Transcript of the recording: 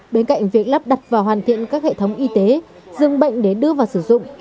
bên cạnh việc lắp đặt và hoàn thiện các hệ thống y tế dường bệnh để đưa vào sử dụng